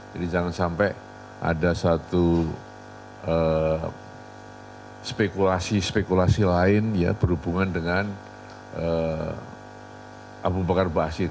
jadi jangan sampai ada satu spekulasi spekulasi lain ya berhubungan dengan abu bakar ba'asyir